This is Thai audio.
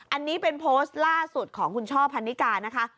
อันนี้เป็นโพสต์ล่าสุดของคุณช่อพันนิกานะคะ